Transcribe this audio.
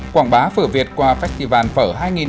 quảng bá phở việt qua festival phở hai nghìn hai mươi bốn